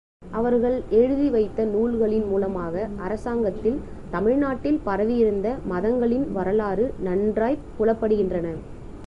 அவர்கள் எழுதி வைத்த நூல்களின் மூலமாக அரசாங்கத்தில் தமிழ்நாட்டில் பரவியிருந்த மதங்களின் வரலாறு நன்றாய்ப் புலப்படுகின்றன.